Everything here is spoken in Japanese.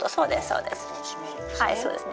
はいそうですね。